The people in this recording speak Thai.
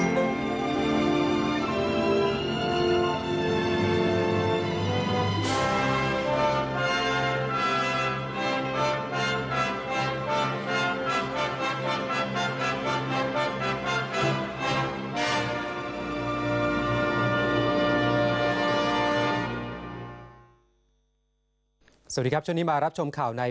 สวัสดีครับช่วงนี้มารับชมข่าวใน